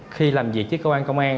khi làm việc với cơ quan công an